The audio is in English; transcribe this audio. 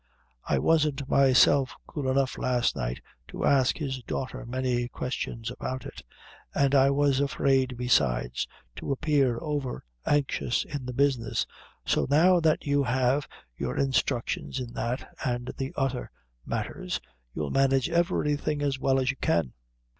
I wasn't myself cool enough last night to ask his daughter many questions about it; an' I was afraid, besides, to appear over anxious in the business. So now that you have your instructions in that and the other matthers, you'll manage every thing as well as you can."